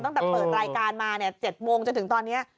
ตั้งแต่เปิดรายการมา๗โมงจนถึงตอนนี้